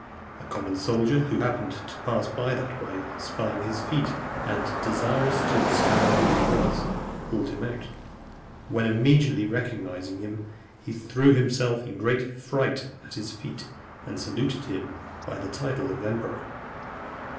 A common soldier, who happened to pass that way, spying his feet, and desirous to discover who he was, pulled him out; when immediately recognizing him, he threw himself in a great fright at his feet, and saluted him by the title of emperor.